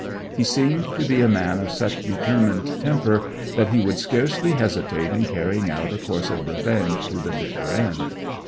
He seemed to be a man of such determined temper that he would scarcely hesitate in carrying out a course of revenge to the bitter end.